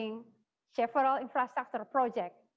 mengalami penurunan sampingan